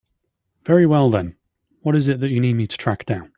Very well then, what is it that you need me to track down?